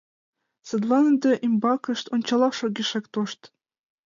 Садлан ынде ӱмбакышт ончалаш огешак тошт.